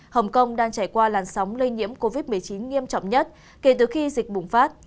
hồng kông đang trải qua làn sóng lây nhiễm covid một mươi chín nghiêm trọng nhất kể từ khi dịch bùng phát